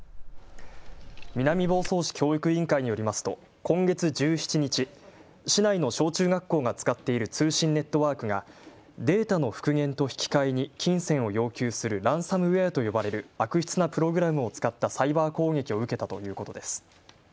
南房総市教育委員会によりますと今月１７日、市内の小中学校が使っている通信ネットワークがデータの復元と引き換えに金銭を要求するランサムウェアと呼ばれる悪質なプログラムを使ったサイバー攻撃を受けたということです。